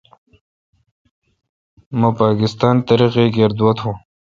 مہ پاکستان ترقی کر دعا تو